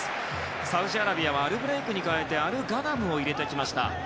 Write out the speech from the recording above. サウジアラビアはアルブレイクに代えてアルガナムを入れてきました。